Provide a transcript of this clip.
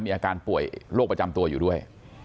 มีอาการป่วยโรคประจำตัวอยู่ด้วย